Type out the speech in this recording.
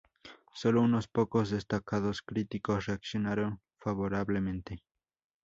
Sólo unos pocos destacados críticos reaccionaron favorablemente.